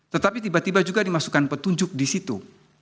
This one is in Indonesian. tetapi tiba tiba juga dimasukkan petunjuk di situ